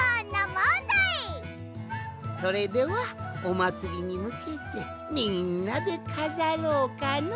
それではおまつりにむけてみんなでかざろうかの！